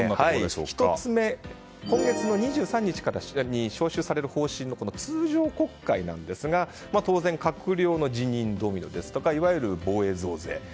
１つ目、今月の２３日から召集される方針の通常国会ですが当然、閣僚の辞任ドミノですとかいわゆる防衛増税。